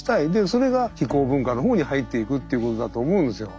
それが非行文化のほうに入っていくということだと思うんですよ。